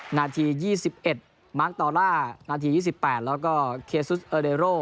นาที๒๑มาร์คตอล่านาที๒๘แล้วก็เคซุสเออเดโร